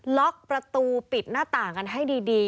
ล็อกประตูปิดหน้าต่างกันให้ดี